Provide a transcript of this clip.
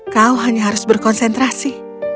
kau hanya harus berkonsentrasi